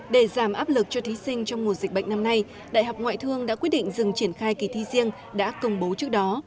để giảm áp lực cho thí sinh trong mùa dịch bệnh năm nay đại học ngoại thương đã quyết định dừng triển khai kỳ thi riêng đã công bố trước đó